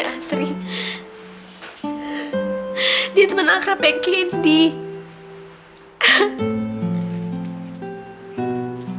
semua keluarganya itu udah menganggap dia udah meninggal